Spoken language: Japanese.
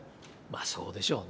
そうでしょうね。